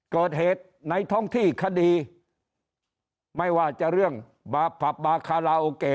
เกิดเหตุในท้องที่คดีไม่ว่าจะเรื่องบาผับบาคาราโอเกะ